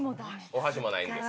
お箸もないんです。